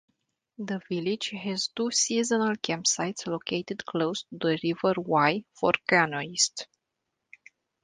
The village has two seasonal campsites located close to the River Wye for canoeists.